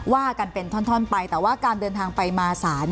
ว่ากันเป็นท่อนไปแต่ว่าการเดินทางไปมาศาล